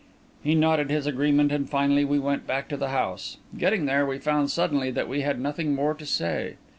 He nodded his agreement, and finally we went back to the house. Getting there, we found suddenly that we had nothing more to say.